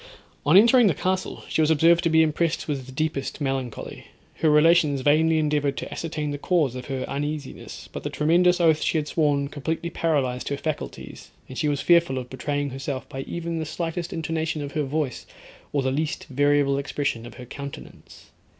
On entering the castle, she was observed to be impressed with deepest melancholy. Her relations vainly endeavoured to ascertain the cause of her uneasiness; but the tremendous oath she had sworn completely paralysed her faculties, and she was fearful of betraying herself by even the slightest intonation of her voice, or the least variable expression of her countenance.